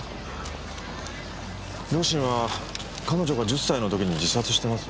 両親は彼女が１０歳の時に自殺してます。